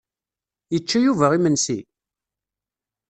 Yečča Yuba imensi?